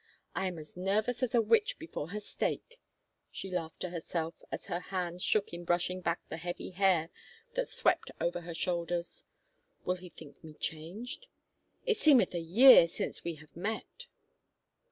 ... I am as nervous as a witch before her stake," she laughed to 157 THE FAVOR OF KINGS herself as her hands shook in brushing back the heavy hair that swept over her shoulders. "Will he think me changed? ... It seemeth a year since we have met."